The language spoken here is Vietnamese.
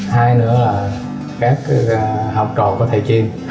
hai nữa là các học trò của thầy chiên